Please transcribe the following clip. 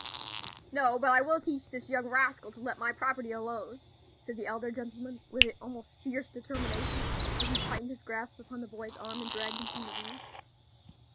"No; but I will teach this young rascal to let my property alone," said the elder gentleman with almost fierce determination, as he tightened his grasp upon the boy's arm and dragged him from the room.